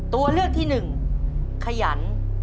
ตัวเลือกที่หนึ่งขยัน